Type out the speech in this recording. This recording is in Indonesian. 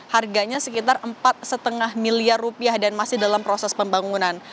harganya sekitar empat lima miliar rupiah dan masih dalam proses pembangunan